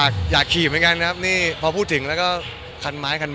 คยากขี่กันเลยนะครับพอพูดถึงก็คันโอบกระดายเยอะละ